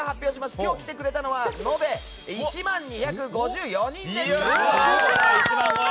今日来てくれたのは延べ１万２５４人でした。